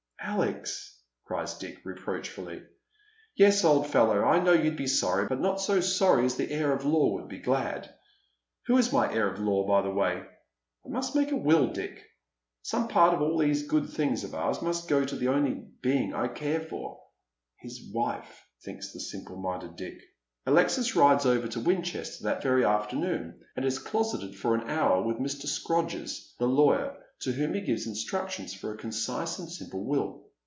'»" Alex !" cries Dick, reproachfully. " Yes, old fellow, I know you'd be sorry, but not so sorry as the heir at law would be glad. Who is my heir at law, by the way ? I must make a will, Dick. Some part of all these good things of ours must go to the only being I care for." " His wife," thinks the simple minded Dick. Alexis rides over to Winchester that very afternoon, and is closeted for an hour with Mr. Scrodgers, the lawyer, to whom he gives instructions for a concise and simple will.